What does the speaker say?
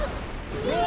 うわ！